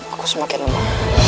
aku semakin lemah